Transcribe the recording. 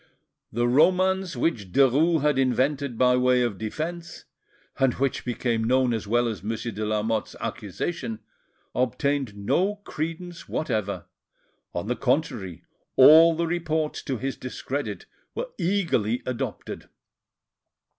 The romance which Derues had invented by way of defence, and which became known as well as Monsieur de Lamotte's accusation, obtained no credence whatever; on the contrary, all the reports to his discredit were eagerly adopted.